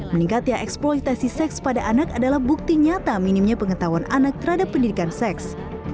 meningkatnya eksploitasi seks pada anak adalah bukti nyata minimnya pengetahuan anak terhadap pendidikan seks